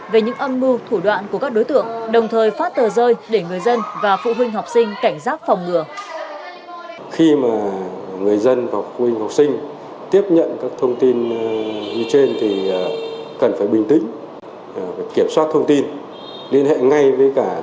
về những âm mưu thủ đoạn của các đối tượng đồng thời phát tờ rơi để người dân và phụ huynh học sinh cảnh giác phòng ngừa